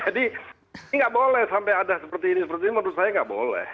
jadi ini nggak boleh sampai ada seperti ini seperti ini menurut saya nggak boleh